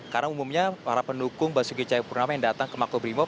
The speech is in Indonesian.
karena umumnya para pendukung basuki ceyapurnama yang datang ke mako berimob